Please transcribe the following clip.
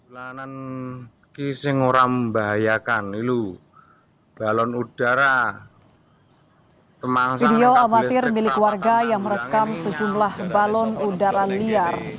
video amatir milik warga yang merekam sejumlah balon udara liar